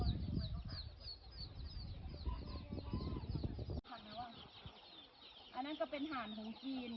อันนั้นก็เป็นฐานของจีน